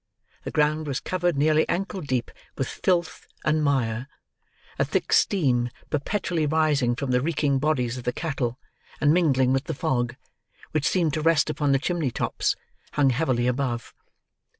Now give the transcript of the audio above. The ground was covered, nearly ankle deep, with filth and mire; a thick steam, perpetually rising from the reeking bodies of the cattle, and mingling with the fog, which seemed to rest upon the chimney tops, hung heavily above.